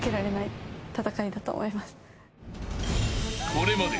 ［これまで］